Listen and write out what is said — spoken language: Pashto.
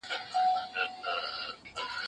که کوم خوی مو بد راځي نو څه به کوئ؟